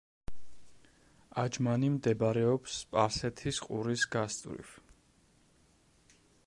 აჯმანი მდებარეობს სპარსეთის ყურის გასწვრივ.